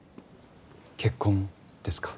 結婚ですか？